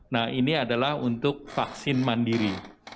nah ini adalah untuk vaksin mandiri